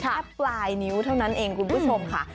แค่ปลายนิ้วเท่านั้นเองคุณผู้ชมค่ะ